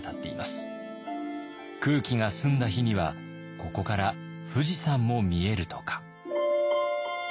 空気が澄んだ日にはここから富士山も見えるとか。